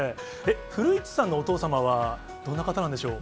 古市さんのお父様はどんな方なんでしょう。